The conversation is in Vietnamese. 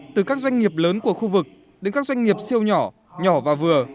từ các doanh nghiệp lớn của khu vực đến các doanh nghiệp siêu nhỏ nhỏ và vừa